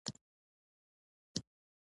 مچان د خوږو شيانو سره مینه لري